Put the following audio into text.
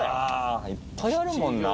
いっぱいあるもんな。